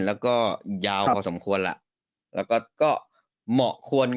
แล้วก็ยาวพอสมควรล่ะแล้วก็ก็เหมาะควร